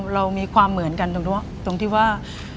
เรามีความเหมือนกันตรงที่ว่า